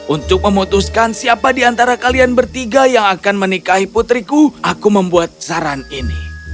untuk memutuskan siapa di antara kalian bertiga yang akan menikahi putriku aku membuat saran ini